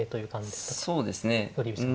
そうですね。